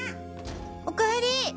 おかえり。